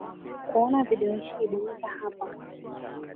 Kuona video hii bonyeza hapa.